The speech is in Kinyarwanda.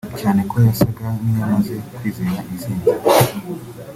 cyane ko yasaga nk’iyamaze kwizera intsinzi